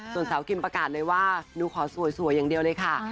ส่วนสาวกิมประกาศเลยว่าหนูขอสวยอย่างเดียวเลยค่ะ